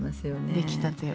出来たてを。